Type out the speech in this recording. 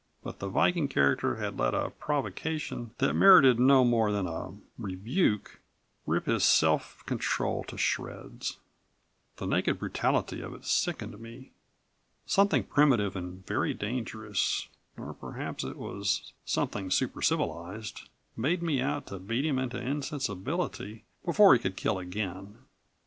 But the Viking character had let a provocation that merited no more than a rebuke rip his self control to shreds. The naked brutality of it sickened me. Something primitive and very dangerous or perhaps it was something super civilized made me out to beat him into insensibility before he could kill again.